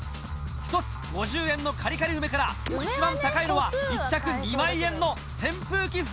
１つ５０円のカリカリ梅から一番高いのは１着２万円の扇風機服。